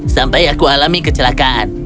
sampai aku alami kecelakaan